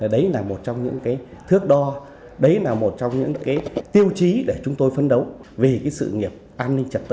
đấy là một trong những thước đo đấy là một trong những tiêu chí để chúng tôi phấn đấu vì sự nghiệp an ninh trật tự